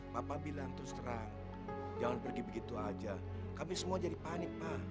papa bilang terus terang jangan pergi begitu aja kami semua jadi panik pak